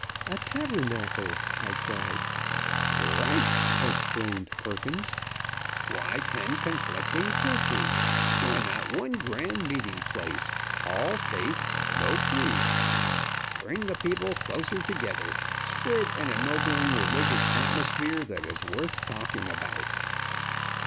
"A tabernacle!" I cried. "Right!" exclaimed Perkins. "Why ten conflicting churches? Why not one grand meeting place all faiths no creeds! Bring the people closer together spread an ennobling religious atmosphere that is worth talking about!"